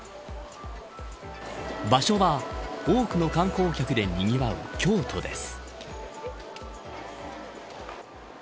場所は多くの観光客でにぎわう京都です。